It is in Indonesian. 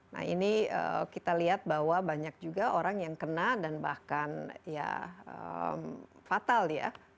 nah ini kita lihat bahwa banyak juga orang yang kena dan bahkan ya fatal ya